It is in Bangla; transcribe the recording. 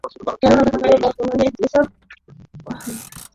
কেননা ঢাকায় বর্তমানে যেসব গণশৌচাগার রয়েছে, সেগুলোর বেশির ভাগের অবস্থাই শোচনীয়।